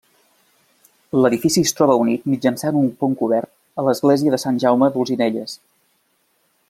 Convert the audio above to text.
L'edifici es troba unit mitjançant un pont cobert a l'església de Sant Jaume d'Olzinelles.